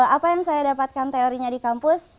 apa yang saya dapatkan teorinya di kampus